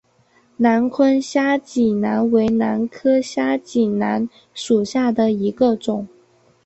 南昆虾脊兰为兰科虾脊兰属下的一个种。